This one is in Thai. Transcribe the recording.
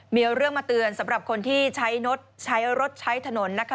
มีเรื่องมาเตือนสำหรับคนที่ใช้รถใช้รถใช้ถนนนะคะ